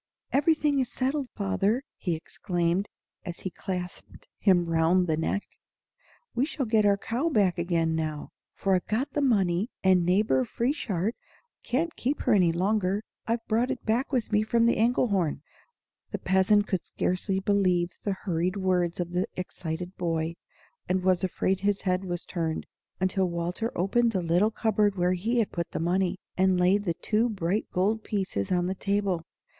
"Everything is settled, father!" he exclaimed, as he clasped him round the neck. "We shall get our cow back again now; for I've got the money, and Neighbor Frieshardt can't keep her any longer. I've brought it back with me from the Engelhorn." The peasant could scarce believe the hurried words of the excited boy, and was afraid his head was turned, until Walter opened the little cupboard where he had put the money, and laid the two bright gold pieces on the table.